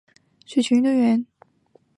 费尔德海斯是前水球运动员。